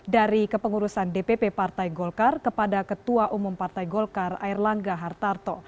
dari kepengurusan dpp partai golkar kepada ketua umum partai golkar air langga hartarto